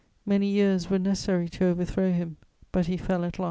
Many years were necessary to overthrow him, but he fell at last.